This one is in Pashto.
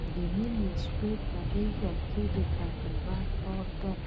د نیمې شپې په غېږ کې د پیغمبر ښار دی.